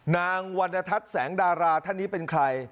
วันนทัศน์แสงดาราท่านนี้เป็นใคร